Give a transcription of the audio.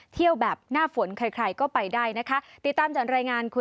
เที่ยวแบบหน้าฝนใครก็ไปได้นะคะ